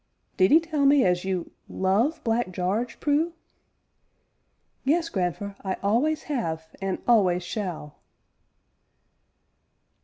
"Did 'ee tell me as you love Black Jarge, Prue?" "Yes, grandfer, I always have and always shall!"